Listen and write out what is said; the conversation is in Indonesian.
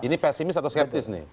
ini pesimis atau skeptis nih